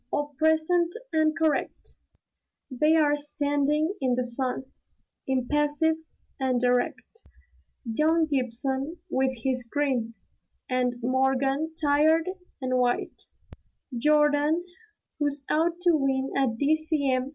All present and correct." They're standing in the sun, impassive and erect. Young Gibson with his grin; and Morgan, tired and white; Jordan, who's out to win a D.C.M.